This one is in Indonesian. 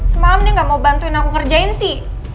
semalam dia gak mau bantuin aku ngerjain sih